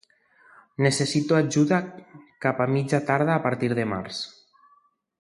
Necessito ajuda cap a mitja tarda a partir de març.